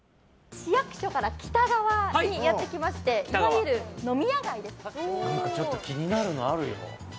市役所から北側にやってきましてちょっと気になるのあるよ。